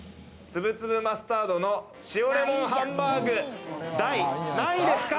粒つぶマスタードの塩レモンハンバーグ、第何位ですか？